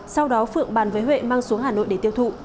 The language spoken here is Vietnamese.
sau đó phượng bàn với huệ mang xuống hà nội để tiêu thụ